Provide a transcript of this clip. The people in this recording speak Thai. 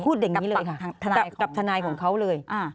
พูดอย่างนี้เลยกับทนายของเขาเลย